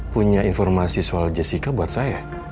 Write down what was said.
punya informasi soal jessica buat saya